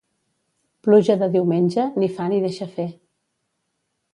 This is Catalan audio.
Pluja de diumenge, ni fa ni deixa fer.